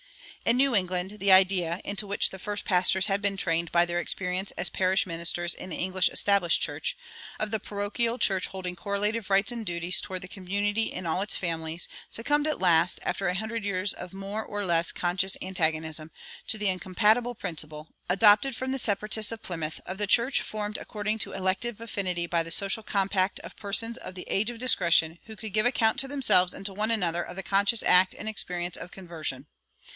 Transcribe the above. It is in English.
[176:1] In New England, the idea, into which the first pastors had been trained by their experience as parish ministers in the English established church, of the parochial church holding correlative rights and duties toward the community in all its families, succumbed at last, after a hundred years of more or less conscious antagonism, to the incompatible principle, adopted from the Separatists of Plymouth, of the church formed according to elective affinity by the "social compact" of persons of the age of discretion who could give account to themselves and to one another of the conscious act and experience of conversion.